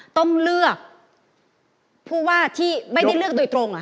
ต้องเลือกผู้ว่าที่ไม่ได้เลือกโดยตรง